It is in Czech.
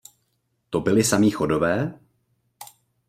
To byli samí Chodové?